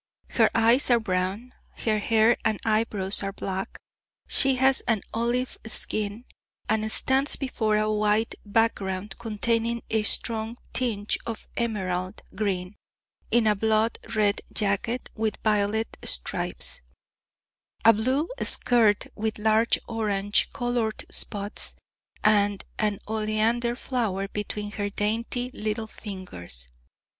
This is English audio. Her eyes are brown, her hair and eyebrows are black, she has an olive skin, and stands before a white background containing a strong tinge of emerald green, in a blood red jacket with violet stripes, a blue skirt with large orange coloured spots, and an oleander flower between her dainty little fingers.